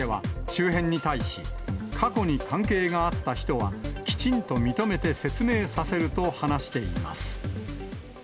統一教会に関しては、周辺に対し、過去に関係があった人は、きちんと認めて説明させると話しています。